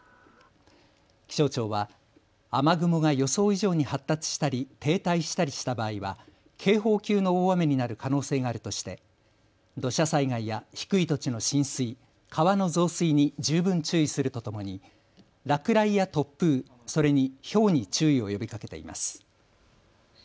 気象庁は雨雲が予想以上に発達したり停滞したりした場合は警報級の大雨になる可能性があるとして土砂災害や低い土地の浸水、川の増水に十分注意するとともに落雷や突風、それにひょうに注意を呼びかけています。